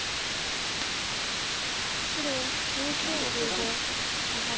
白１１の十五マガリ。